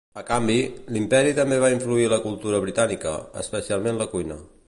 A canvi, l'Imperi també va influir la cultura britànica, especialment la cuina.